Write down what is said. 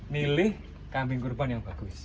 milih kambing kurban yang bagus